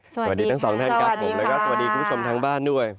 สวัสดีทั้งสองท่านครับผมแล้วก็สวัสดีคุณผู้ชมทางบ้านด้วย